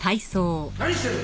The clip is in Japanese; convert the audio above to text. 何してる！？